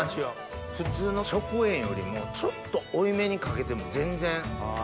普通の食塩よりもちょっと多めにかけても全然。